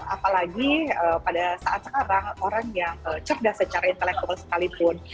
apalagi pada saat sekarang orang yang cerdas secara intelektual sekalipun